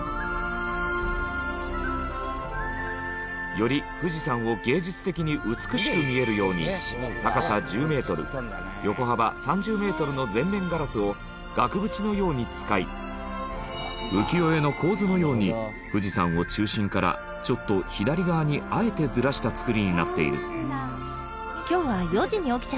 より富士山を芸術的に美しく見えるように高さ１０メートル横幅３０メートルの全面ガラスを額縁のように使い浮世絵の構図のように富士山を中心からちょっと左側にあえてずらした造りになっている。